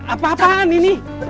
eh siapaan ini